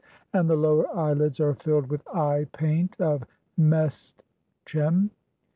; and the "lower eyelids are filled with (16) eye paint of mestchem.